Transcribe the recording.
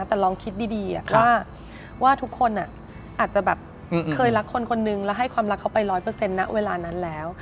แต่ลองคิดดีว่าทุกคนอาจจะแบบเคยรักคนคนนึงแล้วให้ความรักเขาไป๑๐๐นะเวลานั้นแล้ว